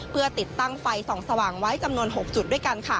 เพื่อติดตั้งไฟส่องสว่างไว้จำนวน๖จุดด้วยกัน